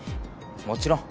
もちろん。